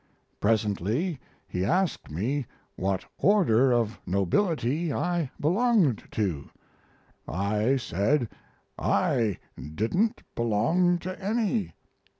Presently, he asked me what order of nobility I belonged to? I said, "I didn't belong to any."